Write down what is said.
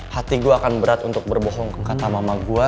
hati gue akan berat untuk berbohong kata mama gue